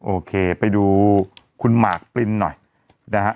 โอเคไปดูคุณหมากปรินหน่อยนะฮะ